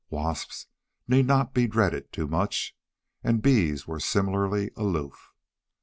Wasps need not be dreaded too much. And bees were similarly aloof.